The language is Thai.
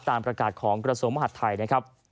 ตามประกาศของกรสงค์มหัดไทย